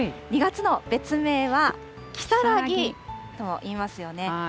２月の別名は、如月といいますよね。